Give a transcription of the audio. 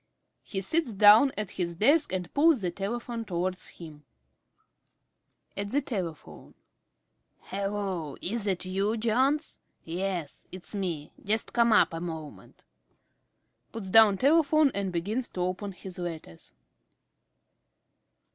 He sits down at his desk and pulls the telephone towards him._ ~Smith~ (at the telephone). Hallo, is that you, Jones?... Yes, it's me. Just come up a moment. (_Puts down telephone and begins to open his letters.